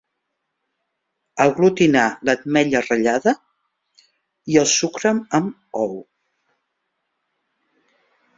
Aglutinar l'ametlla ratllada i el sucre amb ou.